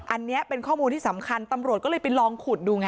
อันนี้เป็นข้อมูลที่สำคัญตำรวจก็เลยไปลองขุดดูไง